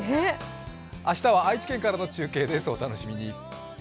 明日は愛知県からの中継です、お楽しみに。